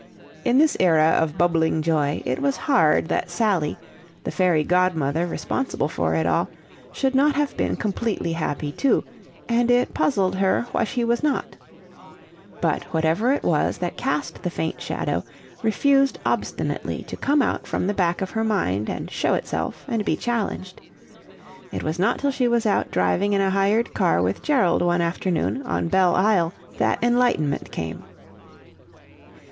In this era of bubbling joy, it was hard that Sally, the fairy godmother responsible for it all, should not have been completely happy too; and it puzzled her why she was not. But whatever it was that cast the faint shadow refused obstinately to come out from the back of her mind and show itself and be challenged. It was not till she was out driving in a hired car with Gerald one afternoon on Belle Isle that enlightenment came.